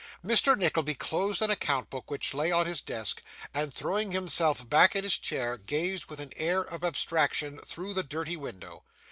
Mr. Nickleby closed an account book which lay on his desk, and, throwing himself back in his chair, gazed with an air of abstraction through the dirty window.